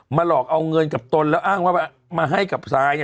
หลอกเอาเงินกับตนแล้วอ้างว่ามาให้กับซาย